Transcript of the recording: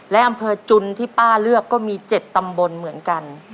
และอำเภอจุนที่ป้าเลือกก็มี๗ตำบลเหมือนกัน